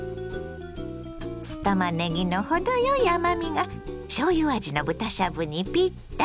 酢たまねぎの程よい甘みがしょうゆ味の豚しゃぶにピッタリ。